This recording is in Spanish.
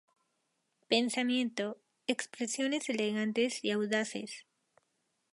Pensamiento, expresiones elegantes y audaces.